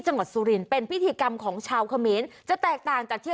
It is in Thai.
สุรินเป็นพิธีกรรมของชาวเขมรจะแตกต่างจากที่